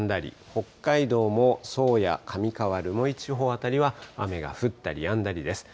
北海道も宗谷、かみかわ、留萌地方辺りは雨が降ったりやんだりです。